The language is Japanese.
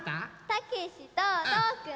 たけしととおくん。